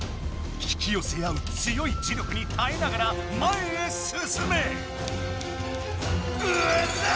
引きよせ合う強い磁力に耐えながら前へ進め！